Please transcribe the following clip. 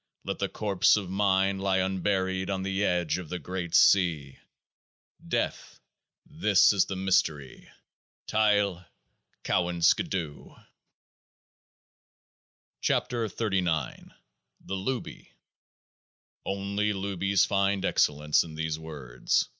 Let the corpse of mind lie unburied on the edge of the Great Sea ! Death ! This is the mystery. Tyle ! Cowan, skidoo ! 49 KEOAAH A0 THE LOOBY Only loobies find excellence in these words.